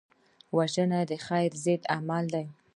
وژنه د خیر ضد عمل دی